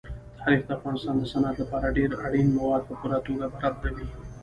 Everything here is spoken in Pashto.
تاریخ د افغانستان د صنعت لپاره ډېر اړین مواد په پوره توګه برابروي.